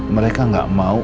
mereka gak mau